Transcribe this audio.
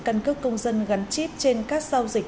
căn cước công dân gắn chip trên các giao dịch